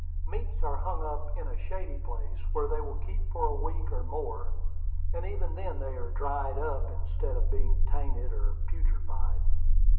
Meats are hung up in a shady place, where they will keep for a week or more; and even then they are dried up, instead of being tainted or putrefied.